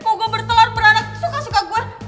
mau gue bertelur beranak suka suka gue